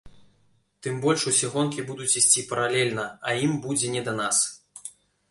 Тым больш, усе гонкі будуць ісці паралельна, і ім будзе не да нас.